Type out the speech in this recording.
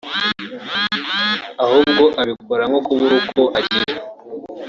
ahubwo abikora nko kubura uko agira